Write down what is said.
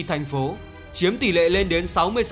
thành phố chiếm tỷ lệ lên đến